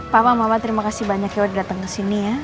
papa mama terima kasih banyak yang udah datang kesini ya